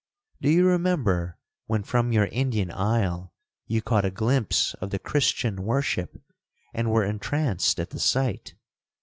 Do you remember when from your Indian isle you caught a glimpse of the Christian worship, and were entranced at the sight?'